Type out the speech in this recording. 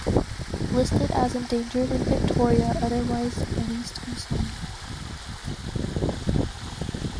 Listed as endangered in Victoria otherwise least concern.